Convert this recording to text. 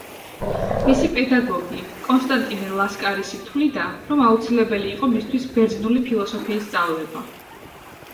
მისი პედაგოგი, კონსტანტინე ლასკარისი თვლიდა, რომ აუცილებელი იყო მისთვის ბერძნული ფილოსოფიის სწავლება.